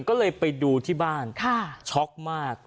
ก็เลยไปดูที่บ้านช็อกมาก